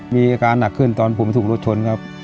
มีอาการหนักขึ้นตอนผมถูกรถชนครับ